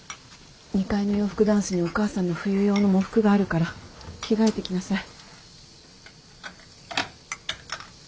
２階の洋服ダンスにお母さんの冬用の喪服があるから着替えてきなさい。